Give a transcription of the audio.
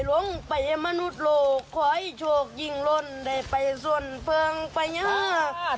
แต่โลกคอยโชคหยิงล้นแล้วไปส่วนเฟืองไปอย่างงั้น